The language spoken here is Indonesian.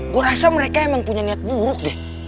gue rasa mereka emang punya niat buruk deh